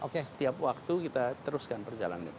setiap waktu kita teruskan perjalanan itu